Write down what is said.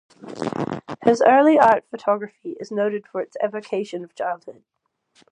His early art photography is noted for its evocation of childhood.